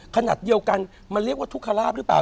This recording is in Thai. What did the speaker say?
ขนาดเดียวกันมันเรียกว่าทุกขลาบหรือเปล่า